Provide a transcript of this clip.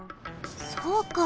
そうか！